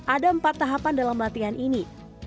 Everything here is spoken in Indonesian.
ada empat tahapan dalam latihan ini